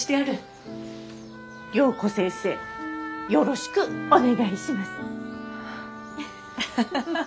良子先生よろしくお願いします。